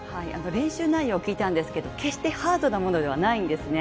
練習内容を聞いたんですけど決してハードなものではないんですね。